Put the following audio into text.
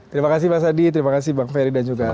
terima kasih pak sadi terima kasih pak ferry dan juga pak nur